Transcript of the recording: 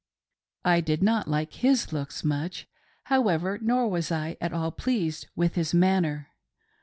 I did not like his looks much, however, nor was I at all pleased with his manner.